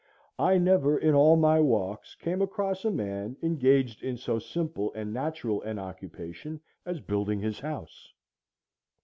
I never in all my walks came across a man engaged in so simple and natural an occupation as building his house.